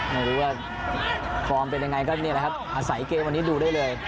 ไม่รู้ว่าฟอร์มเป็นยังไงก็นี่แหละครับอาศัยเกมวันนี้ดูได้เลย